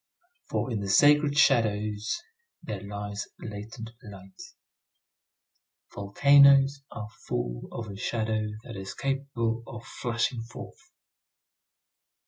For in the sacred shadows there lies latent light. Volcanoes are full of a shadow that is capable of flashing forth.